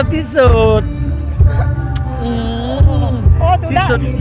โอ้วจุดนั้น